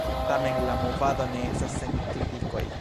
Tamen la movado ne estas sen kritikoj.